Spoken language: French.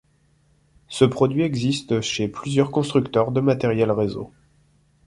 Ce produit existe chez plusieurs constructeurs de matériels réseaux.